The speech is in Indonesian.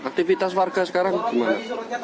aktivitas warga sekarang gimana